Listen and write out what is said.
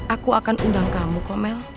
aku akan undang kamu kok mel